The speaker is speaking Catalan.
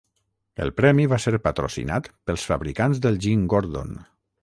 El premi va ser patrocinat pels fabricants del gin Gordon.